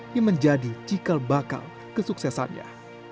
yang menjadi cikal bakal kesuksesannya